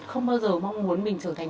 không bao giờ mong muốn mình trở thành